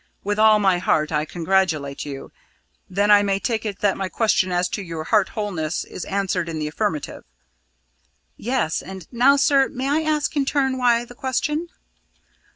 With all my heart, I congratulate you. Then I may take it that my question as to your heart wholeness is answered in the affirmative?" "Yes; and now, sir, may I ask in turn why the question?"